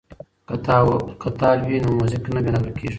که تال وي نو موزیک نه بې نظمه کیږي.